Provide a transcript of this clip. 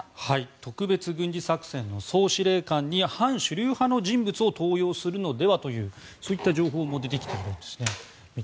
特別軍事作戦の総司令官に反主流派の人物を登用するのではという情報も出てきているんです。